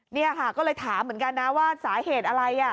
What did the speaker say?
นี่ค่ะก็เลยถามเหมือนกันนะว่าสาเหตุอะไร